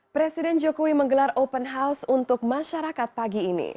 presiden jokowi menggelar open house untuk masyarakat pagi ini